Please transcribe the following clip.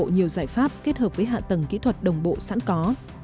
và có nhiều giải pháp kết hợp với hạ tầng kỹ thuật đồng bộ sẵn có